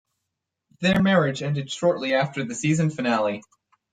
Their marriage ended shortly after the season finale.